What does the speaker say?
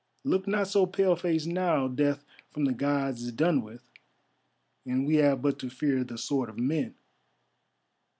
Look not so pale faced now death from the Gods is done with, and we have but to fear the sword of men."